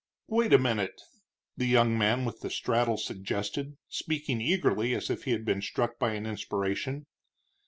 Wait a minute, the young man with the straddle suggested, speaking eagerly, as if he had been struck by an inspiration.